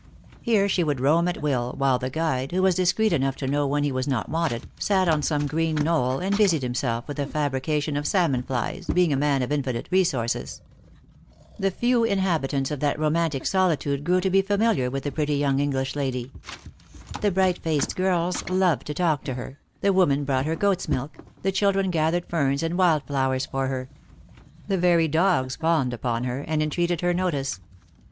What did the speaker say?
Here she would roam at will, while the guide, who was discreet enough to know when he was not wanted, sat on some green knoll and busied himself with the fabrication of salmon flies, being a man of infinite resources. The few inhabitants of that romantic solitude grew to be familiar with the pretty yonng English lady. The bright faced girls loved to talk to her, the women brought her goat's milk, the children gathered ferns and wild* flowers for her. The very dogs fawned upon her, and entreated her notice.